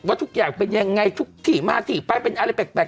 ทุกอย่างเป็นยังไงทุกที่มาที่ไปเป็นอะไรแปลก